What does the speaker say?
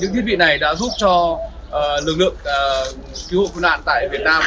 những thiết bị này đã giúp cho lực lượng cứu hộ nạn hộ tại việt nam